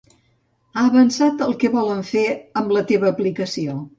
Ha avançat el que volen fer amb la teva aplicació.